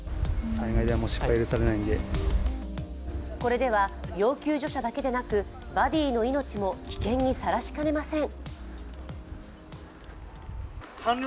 これでは要救助者だけでなく、バディの命も危険にさらしかねません。